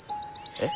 えっ！